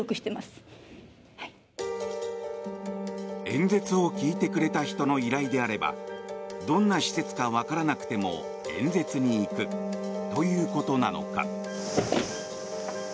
演説を聞いてくれた人の依頼であればどんな施設かわからなくても演説に行くということなのか。